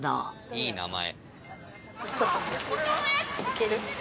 いい名前。